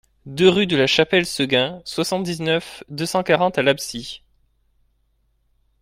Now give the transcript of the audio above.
deux rue de la Chapelle Seguin, soixante-dix-neuf, deux cent quarante à L'Absie